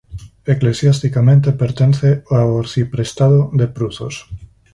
Eclesiasticamente pertence ó arciprestado de Pruzos.